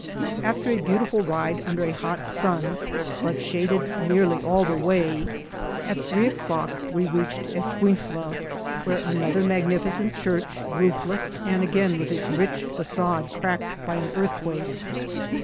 After a beautiful ride under a hot sun, but shaded nearly all the way, at three o'clock we reached Es ouintla, where Nvas another magnificent church, roofless, and again with its rich fa<^e cracked by an earthquake.